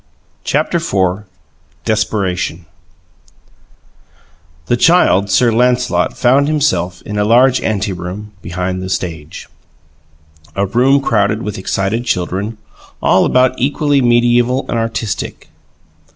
CHAPTER IV DESPERATION The Child Sir Lancelot found himself in a large anteroom behind the stage a room crowded with excited children, all about equally medieval and artistic.